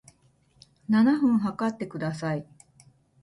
七分測ってください